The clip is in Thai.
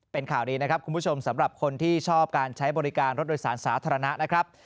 เป็นข่าวดีนะครับคุณผู้ชมสำหรับคนที่ชอบการใช้บริการรถโดยสารสาธารณะนะครับ